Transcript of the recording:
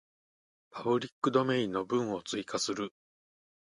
パブリックドメインの文を追加する